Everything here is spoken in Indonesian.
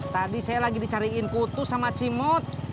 tadi saya lagi dicariin kutu sama cimot